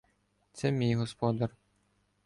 Це мій господар.